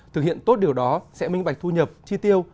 thực hiện tốt điều đó sẽ minh bạch thu nhập chi tiêu